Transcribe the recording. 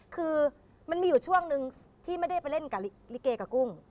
คือมันมีอยู่ช่วงนึงที่ไม่ได้ไปเล่นกับลิเกกับกุ้ง